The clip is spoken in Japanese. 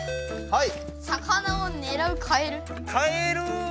はい！